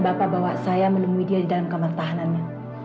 bapak bapak saya menemui dia di dalam kamar tahanannya